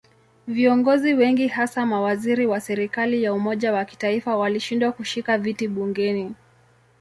Viongozi wengi hasa mawaziri wa serikali ya umoja wa kitaifa walishindwa kushika viti bungeni.